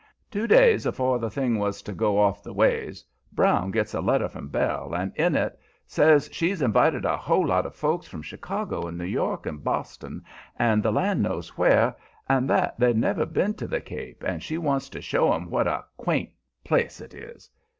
Two days afore the thing was to go off the ways Brown gets a letter from Belle, and in it says she's invited a whole lot of folks from Chicago and New York and Boston and the land knows where, and that they've never been to the Cape and she wants to show 'em what a "quaint" place it is.